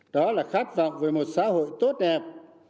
đó là khát vọng về một xã hội tốt đẹp